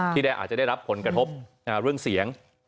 อาจจะได้รับผลกระทบเรื่องเสียง